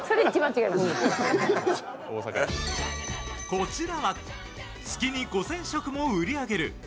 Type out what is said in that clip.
こちらは月に５０００食も売り上げる